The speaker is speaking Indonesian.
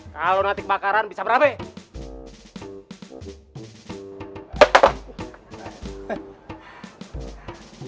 kalau nanti kebakaran bisa berhenti